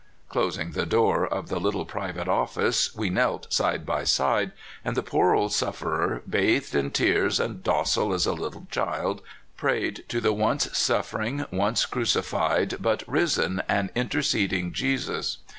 Closing the door of the little private office, we knelt side by side, and the poor old sufferer, bathed in tears, and docile as a little child, prayed to the once suffering, once crucified, but risen and interceding Jesus.